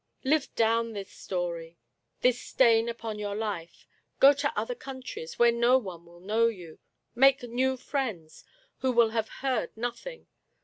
Live down this story — this stain upon your life; go to other countries, where no one will know you ; make new friends, who will have heard nothing.